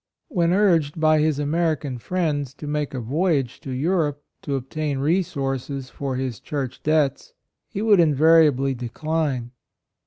When urged by his American friends to make a voyage to Eu 84 HIS DEBTS rope, to obtain resources for his church debts, he would invariably decline.